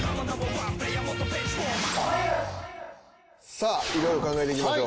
さあ色々考えていきましょう。